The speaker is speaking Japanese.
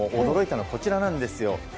驚いたのはこちらなんですよ。